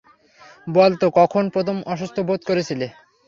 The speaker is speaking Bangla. বল তো কখন প্রথম অসুস্থ বোধ করেছিলে?